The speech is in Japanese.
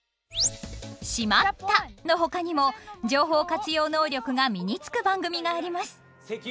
「しまった！」のほかにも情報活用能力が身につく番組があります。